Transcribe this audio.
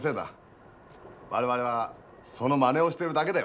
我々はそのまねをしてるだけだよな。